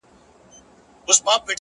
پوه انسان د پوهېدو تنده نه بایلي!